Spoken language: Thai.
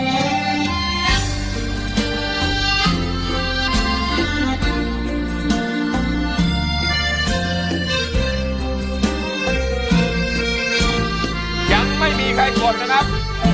ยังไม่มีใครทนนะครับ